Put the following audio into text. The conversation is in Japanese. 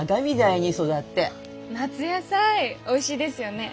夏野菜おいしいですよね。